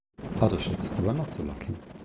Other ships were not so lucky.